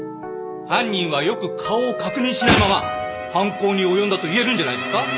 犯人はよく顔を確認しないまま犯行に及んだと言えるんじゃないですか？